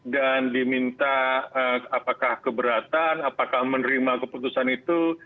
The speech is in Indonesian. dan diminta apakah keberatan apakah menerima keputusan itu